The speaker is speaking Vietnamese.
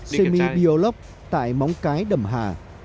semi biolog tại móng cái đầm hà